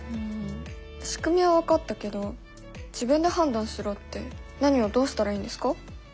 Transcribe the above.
しくみは分かったけど自分で判断しろって何をどうしたらいいんですか？